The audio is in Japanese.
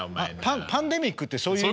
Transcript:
パンデミックってそういうこと。